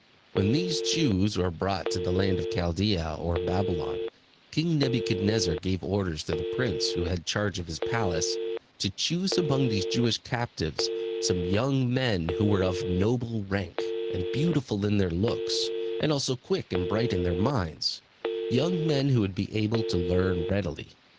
When these Jews were brought to the land of Chaldea or Babylon, King Nebuchadnezzar gave orders to the prince, who had charge of his palace, to choose among these Jewish captives some young men who were of noble rank, and beautiful in their looks, and also quick and bright in their minds; young men who would be able to learn readily.